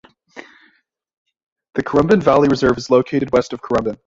The Currumbin Valley Reserve is located west of Currumbin.